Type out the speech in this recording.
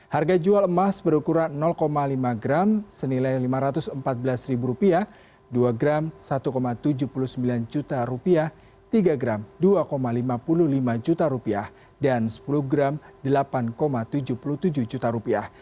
harga jual emas berukuran lima gram senilai lima ratus empat belas dua gram satu tujuh puluh sembilan juta rupiah tiga gram dua lima puluh lima juta rupiah dan sepuluh gram delapan tujuh puluh tujuh juta rupiah